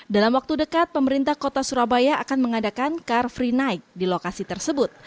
dalam waktu dekat pemerintah kota surabaya akan mengadakan car free night di lokasi tersebut